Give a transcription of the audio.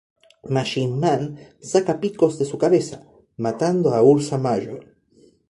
Machine Man saca picos de su cabeza, matando a Ursa Major.